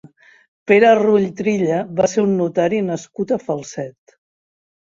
Pere Rull Trilla va ser un notari nascut a Falset.